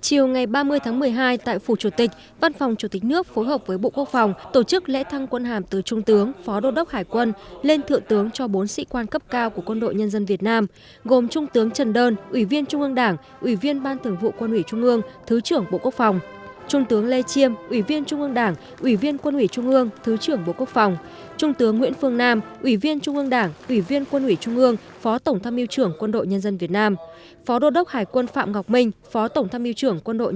chiều ngày ba mươi tháng một mươi hai tại phủ chủ tịch văn phòng chủ tịch nước phối hợp với bộ quốc phòng tổ chức lễ thăng quân hàm từ trung tướng phó đô đốc hải quân lên thượng tướng cho bốn sĩ quan cấp cao của quân đội nhân dân việt nam gồm trung tướng trần đơn ủy viên trung ương đảng ủy viên ban thường vụ quân ủy trung ương thứ trưởng bộ quốc phòng trung tướng lê chiêm ủy viên trung ương đảng ủy viên quân ủy trung ương thứ trưởng bộ quốc phòng trung tướng nguyễn phương nam ủy viên trung ương đảng ủy viên quân ủy trung ương